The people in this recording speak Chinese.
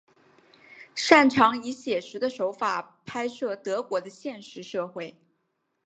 擅长以写实的手法拍摄德国的现实社会。